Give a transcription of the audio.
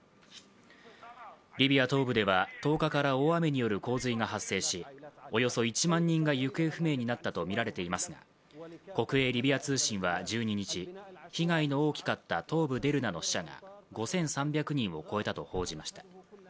リビア東部では、１０日から大雨による洪水が発生し、およそ１万人が行方不明になったとみられていますが国営リビア通信は１２日、被害の大きかった東部デルナの死者が５３００人を超えたと報じました。